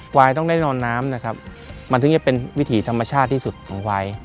ควายต้องได้นอนน้ำนะครับมันถึงจะเป็นวิถีธรรมชาติที่สุดของควาย